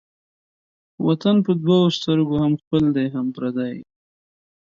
وطن په دوو سترگو هم خپل دى هم پردى.